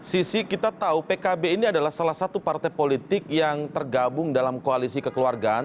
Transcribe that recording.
sisi kita tahu pkb ini adalah salah satu partai politik yang tergabung dalam koalisi kekeluargaan